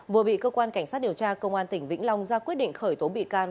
vừa bị cơ quan cảnh sát điều tra công an tỉnh vĩnh long ra quyết định khởi tố bị can